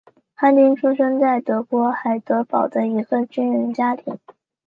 哈丁出生在德国海德堡的一个军人家庭。